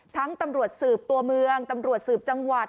ตำรวจสืบตัวเมืองตำรวจสืบจังหวัด